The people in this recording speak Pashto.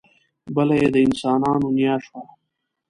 بله یې د انسانانو نیا شوه.